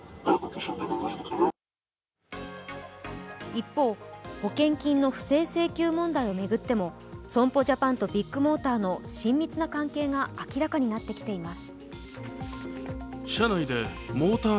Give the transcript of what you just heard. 一方、保険金の不正請求問題を巡っても損保ジャパンとビッグモーターの親密な関係が明らかになってきています。